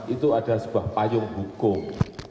itu adalah sebuah payung hukum